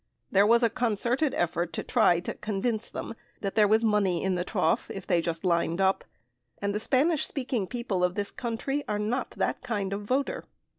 There was a concerted effort to try to convince them that there was money in the trough if they just lined up, and the Spanish speaking people of this country are not that kind of voter.